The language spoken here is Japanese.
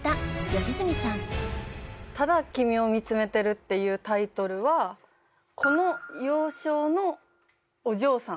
『ただ、君を見つめてる』っていうタイトルはこの幼少のお嬢さん